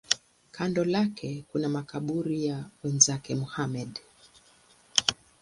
Kando lake kuna makaburi ya wenzake Muhammad.